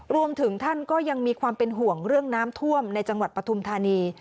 รวมถึงท่านก็ยังมีความเป็นห่วงเรื่องน้ำท่วมในจังหวัดปฐุมธานี